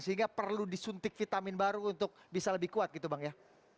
sehingga perlu disuntik vitamin baru untuk bisa lebih kuat gitu bang ya